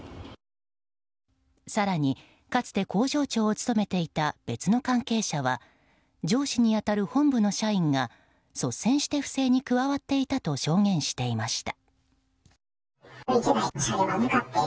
更に、かつて工場長を務めていた別の関係者は上司に当たる本部の社員が率先して不正に加わっていたと証言していました。